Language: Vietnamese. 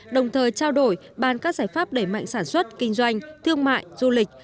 đồng thời trao đổi bàn các giải pháp đẩy mạnh sản xuất kinh doanh thương mại du lịch